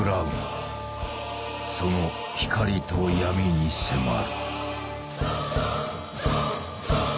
その光と闇に迫る。